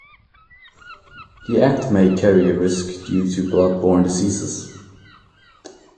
The act may carry a risk due to blood-borne diseases.